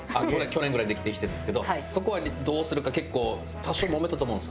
去年ぐらいにできてるんですけどそこはねどうするか結構。